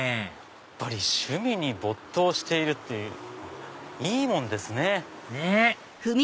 やっぱり趣味に没頭しているっていいもんですね。ねぇ！